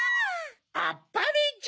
あっぱれじゃ！